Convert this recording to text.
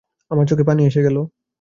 আমার চোখে পানি এসে গেল।